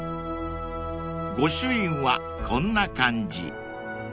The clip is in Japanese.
［御朱印はこんな感じ］